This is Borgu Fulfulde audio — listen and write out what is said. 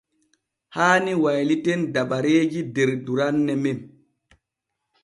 Haani wayliten dabareeji der duranne men.